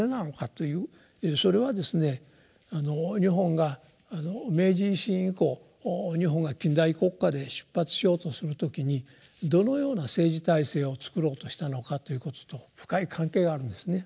それはですね日本が明治維新以降日本が近代国家で出発しようとする時にどのような政治体制をつくろうとしたのかということと深い関係があるんですね。